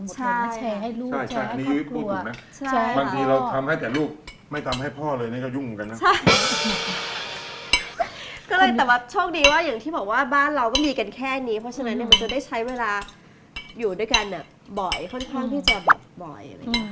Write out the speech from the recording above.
เพราะว่าอย่างที่บอกว่าบ้านเราก็มีกันแค่นี้เพราะฉะนั้นมันจะได้ใช้เวลาอยู่ด้วยกันบ่อยค่อนข้างที่จะบ่อย